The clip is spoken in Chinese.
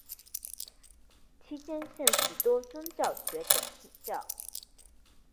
期间向许多宗教学者请教。